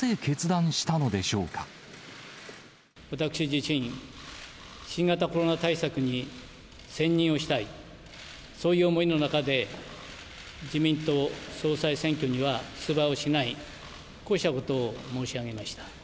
私自身、新型コロナ対策に専任をしたい、そういう思いの中で、自民党総裁選挙には出馬をしない、こうしたことを申し上げました。